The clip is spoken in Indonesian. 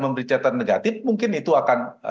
memberi catatan negatif mungkin itu akan